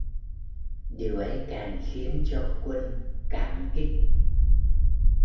Điều ấy càng khiến cho quân cảm kích